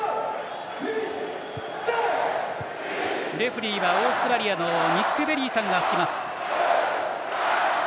レフリーはオーストラリアのニック・ベリーさんが吹きます。